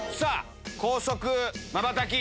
高速まばたき